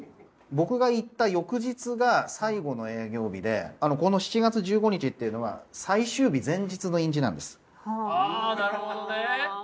僕が行った翌日が最後の営業日でこの「７月１５日」っていうのは最終日前日の印字なんです。